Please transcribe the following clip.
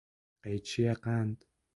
قیچی قند